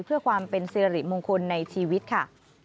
เพื่อความเป็นสิริมงคลในชีวิตค่ะ